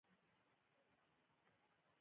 دا میل په ګولایي کې د فرار المرکز قوه دفع کوي